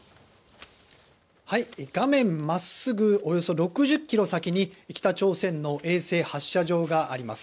画面真っすぐおよそ６０ｋｍ先に北朝鮮の衛星発射場があります。